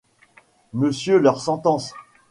Monsieur leur sentence.